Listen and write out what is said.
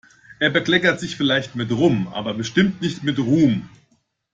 Er bekleckert sich vielleicht mit Rum, aber bestimmt nicht mit Ruhm.